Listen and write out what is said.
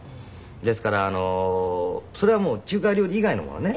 ですからそれはもう中華料理以外のものね